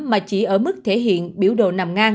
mà chỉ ở mức thể hiện biểu đồ năm